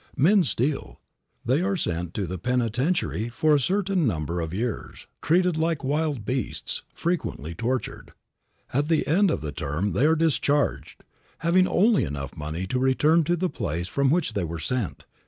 Men steal; they are sent to the penitentiary for a certain number of years, treated like wild beasts, frequently tortured. At the end of the term they are discharged, having only enough money to return to the place from which they were sent.